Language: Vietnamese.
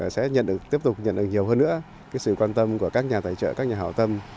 sẽ tiếp tục nhận được nhiều hơn nữa sự quan tâm của các nhà tài trợ các nhà hảo tâm